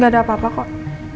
gak ada apa apa kok